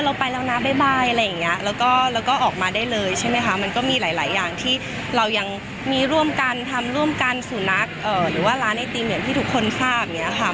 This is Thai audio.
เธอเราไปแล้วนะบ๊ายบายแล้วก็ออกมาได้เลยมันก็มีหลายอย่างที่เรายังมีร่วมกันทำร่วมกันสูรรักษณ์หรือว่าร้านไอตีมเหมือนที่ทุกคนทราบ